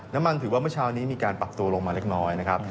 ถือว่าเมื่อเช้านี้มีการปรับตัวลงมาเล็กน้อยนะครับ